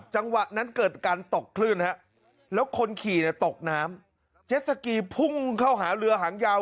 จังหวะนั้นเกิดการตกคลื่นฮะแล้วคนขี่ตกน้ำเจ็ดสกีพุ่งเข้าหาเรือหางยาว